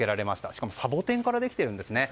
しかもサボテンからできているんですね。